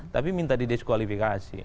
tapi minta di diskualifikasi